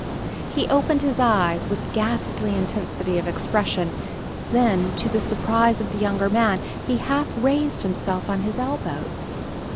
He opened his eyes with ghastly intensity of expression. Then, to the surprise of the younger man, he half raised himself on his elbow.